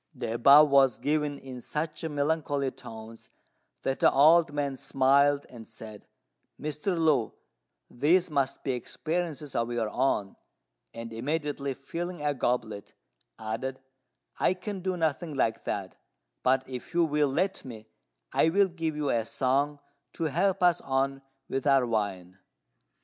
The above was given in such melancholy tones that the old man smiled and said, "Mr. Lu, these must be experiences of your own," and, immediately filling a goblet, added, "I can do nothing like that; but if you will let me, I will give you a song to help us on with our wine."